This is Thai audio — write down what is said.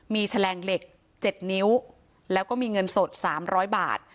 มีแฉลงเหล็กเจ็ดนิ้วแล้วก็มีเงินสดสามร้อยบาท